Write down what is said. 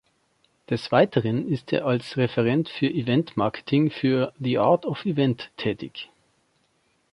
Des Weiteren ist er als Referent für Eventmarketing für the-art-of-event tätig.